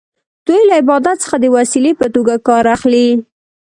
دوی له عبادت څخه د وسیلې په توګه کار اخلي.